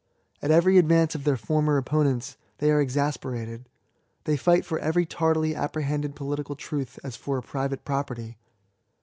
At every advance of their former opponents, they are exasperated. They fight for every tardily apprehended political truth as for a private property.